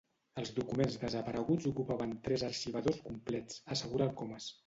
Els documents desapareguts ocupaven tres arxivadors complets —assegura el Comas—.